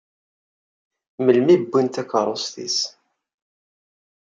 Melmi i wwin takeṛṛust-is?